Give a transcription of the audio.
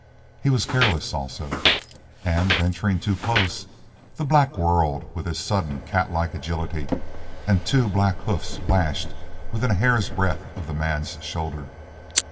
He was careless, also, and venturing too close the black whirled with his sudden, catlike agility, and two black hoofs lashed within a hair's breadth of the man's shoulder.